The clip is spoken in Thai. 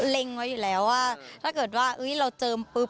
ไว้อยู่แล้วว่าถ้าเกิดว่าเราเจิมปุ๊บ